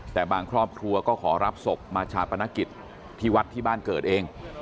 แต่บางครอบครัวก็ขอรับศพมาชาปนกิจที่วัดที่บ้านเกิดเอง